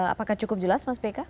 apakah cukup jelas mas beka